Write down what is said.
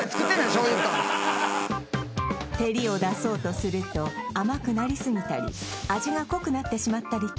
醤油と照りを出そうとすると甘くなりすぎたり味が濃くなってしまったりと